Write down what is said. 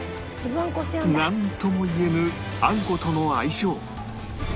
なんとも言えぬあんことの相性